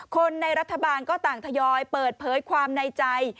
คนในรัฐบาลก็ต่างทยอยเปิดเผยความในใจ